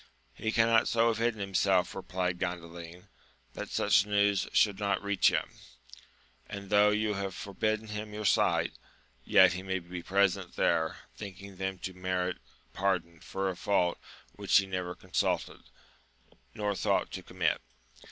He cannot so have hidden himself, replied Gandalin, that such news should not reach him ; and though you have for bidden him your sight, yet he may be present there, thinking then to merit pardon for a fault which he never committed, nor thought to commit.